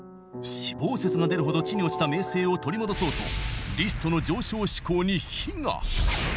死亡説が出るほど地に落ちた名声を取り戻そうとリストの上昇志向に火が。